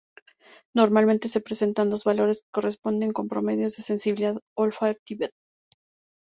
Normalmente se presentan dos valores que se corresponden con promedios de sensibilidad olfativa.